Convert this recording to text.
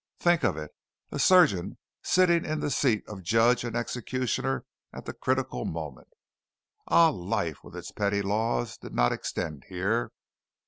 Think of it a surgeon sitting in the seat of judge and executioner at the critical moment! Ah, life with its petty laws did not extend here.